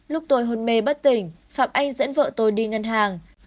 lúc tôi hôn mê bất tỉnh phạm anh dẫn vợ tôi đi ngân hàng